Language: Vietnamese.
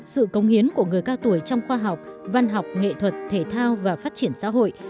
sự công hiến của người cao tuổi trong khoa học văn học nghệ thuật thể thao và phát triển xã hội